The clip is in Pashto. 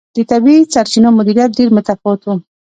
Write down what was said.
د طبیعي سرچینو مدیریت ډېر متفاوت و.